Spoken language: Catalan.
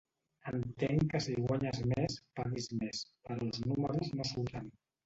Entenc que si guanyes més, paguis més, però els números no surten.